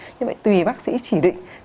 như vậy tùy bác sĩ chỉ định